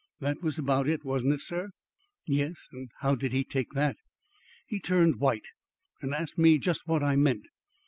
That was about it, wasn't it, sir?" "Yes. And how did he take that?" "He turned white, and asked me just what I meant.